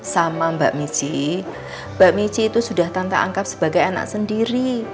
sama mbak michi mbak michi itu sudah tante angkap sebagai anak sendiri